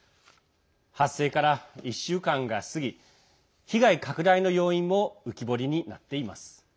発生から１週間が過ぎ被害拡大の要因も浮き彫りになっています。